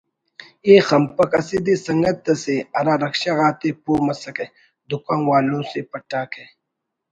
ءِ خنپک اسہ دے سنگت اسے (ہرا رکشہ غا تے پہہ مسکہ) دکان والوس پٹاکہ